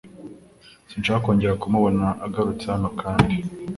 Sinshaka kongera kumubona agarutse hano kandi.